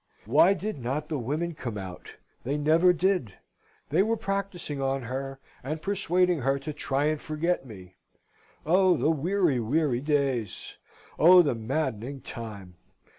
Why did not the women come out? They never did. They were practising on her, and persuading her to try and forget me. Oh, the weary, weary days! Oh, the maddening time!